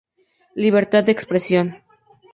Libertad de expresión.